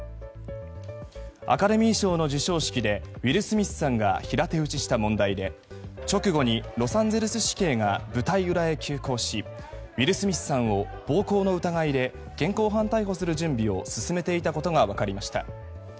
アカデミー賞の授賞式でウィル・スミスさんが平手打ちした問題で直後に、ロサンゼルス市警が舞台裏へ急行しウィル・スミスさんを暴行の疑いで現行犯逮捕する準備を進めていたことが分かりました。